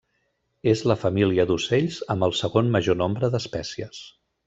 És la família d'ocells amb el segon major nombre d'espècies.